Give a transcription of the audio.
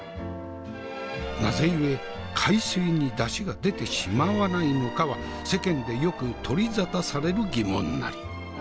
なぜゆえ海水にだしが出てしまわないのかは世間でよく取り沙汰される疑問なり。